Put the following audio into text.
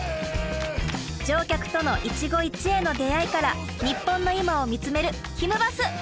乗客との一期一会の出会いから日本の今を見つめるひむバス！